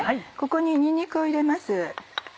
ここににんにくを入れます。